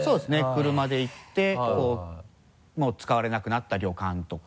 車で行ってこうもう使われなくなった旅館とか。